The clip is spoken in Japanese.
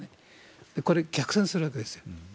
これ、逆転するわけです。